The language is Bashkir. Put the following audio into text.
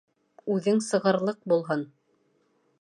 Үҙең сығырлыҡ булһын.